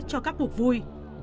cho các cuộc vui